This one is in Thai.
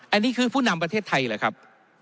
อันนี้คือผู้นำประเทศไทยเหรอครับ